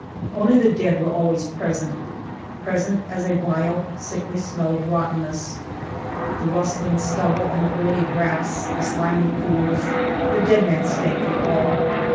Only the dead were always present â present As a vile sickly smell of rottenness; The ruSllmg flubble and the early grass. The slimy pools â the dead men flank through all.